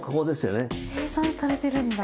計算されてるんだ。